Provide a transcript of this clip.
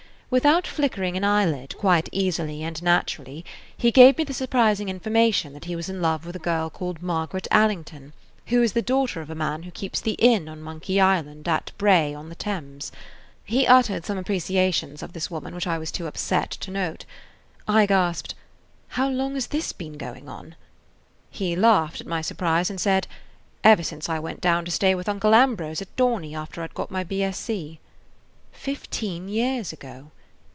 Without flickering an eyelid, quite easily and naturally, he gave me the surprising information that he was in love with a girl called Margaret Allington, who is the daughter of a man who keeps the inn on Monkey Island, at Bray on the Thames. He uttered some appreciations of this woman which I was too upset to note. I gasped, "How long has this been going on?" He laughed [Page 37] at my surprise, and said, "Ever since I went down to stay with Uncle Ambrose at Dorney after I 'd got my B.Sc." Fifteen years ago!